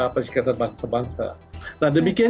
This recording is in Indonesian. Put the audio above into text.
persikatan bangsa bangsa nah demikian